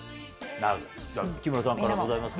木村さんからもございますか？